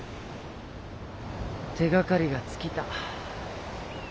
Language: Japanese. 手がかりが尽きた。